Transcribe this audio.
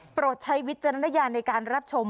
ใช้วิจารณญาณในการรับชม